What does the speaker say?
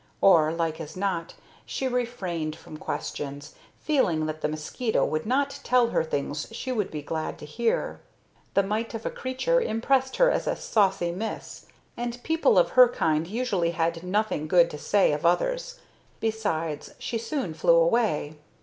Or, like as not, she refrained from questions, feeling that the mosquito would not tell her things she would be glad to hear. The mite of a creature impressed her as a saucy Miss, and people of her kind usually had nothing good to say of others. Besides, she soon flew away.